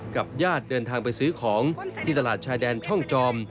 กับญาติเดินทางไปซื้อของที่ตลาดชายแดนช่องจอม